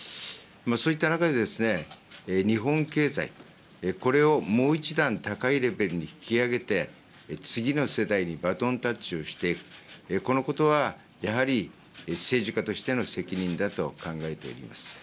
そういった中で、日本経済、これをもう１段高いレベルに引き上げて、次の世代にバトンタッチをしていく、このことはやはり、政治家としての責任だと考えています。